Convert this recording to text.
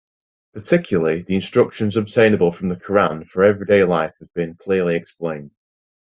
Particularly the instructions obtainable from the Qur'an for everyday life have been clearly explained.